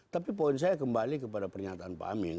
tapi poin saya kembali kepada pernyataan pak amin